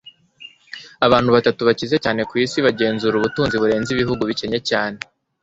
Abantu batatu bakize cyane ku isi bagenzura ubutunzi burenze ibihugu bikennye cyane